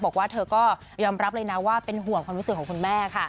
บอกว่าเธอก็ยอมรับเลยนะว่าเป็นห่วงความรู้สึกของคุณแม่ค่ะ